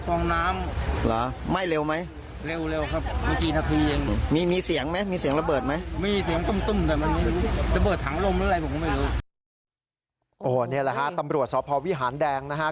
นี่แหละฮะตำรวจสพวิหารแดงนะฮะ